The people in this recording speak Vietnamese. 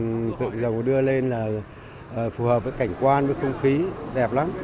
hình tượng dầu đưa lên là phù hợp với cảnh quan với không khí đẹp lắm